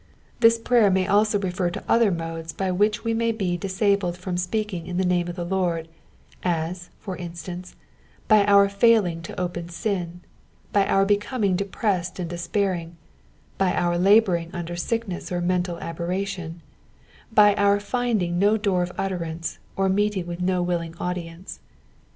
This prayer may alsa refer to other modes by which we may be disabled from speaking in the name of the Lord : as, for instance, by our falling into open sm, by our becoming depressed and despairing, by our labouring under sickness or mental aberration, by our finding no door of utterance, or meeting with no willing audience.